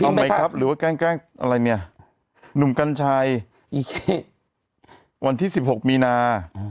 ไหมครับหรือว่าแกล้งอะไรเนี่ยหนุ่มกัญชัยอีเควันที่๑๖มีนา